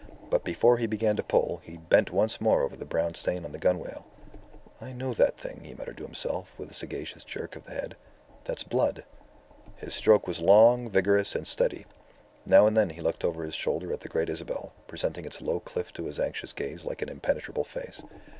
But before he began to pull he bent once more over the brown stain on the gunwale. "I know that thing," he muttered to himself, with a sagacious jerk of the head. "That's blood." His stroke was long, vigorous, and steady. Now and then he looked over his shoulder at the Great Isabel, presenting its low cliff to his anxious gaze like an impenetrable face.